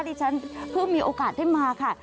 ดิฉันเพิ่งมีโอกาสได้มาค่ะ